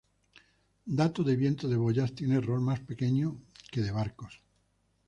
Dato de viento de boyas tiene error más pequeño que que de barcos.